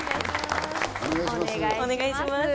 お願いします。